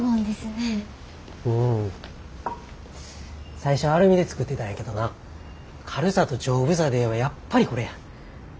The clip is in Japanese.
最初はアルミで作ってたんやけどな軽さと丈夫さで言えばやっぱりこれや。